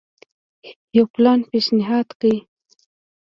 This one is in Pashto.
یو پلان پېشنهاد کړ.